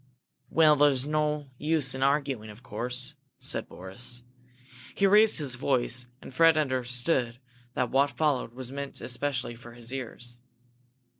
"Well, there is no use in arguing, of course," said Boris. He raised his voice, and Fred understood that what followed was meant especially for his ears.